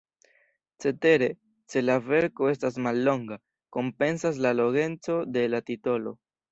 Cetere, se la verko estas mallonga, kompensas la longeco de la titolo.